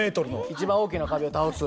一番大きな壁を倒す。